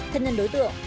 thân nhân đối tượng